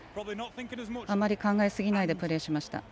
あまり考えすぎないでプレーしました。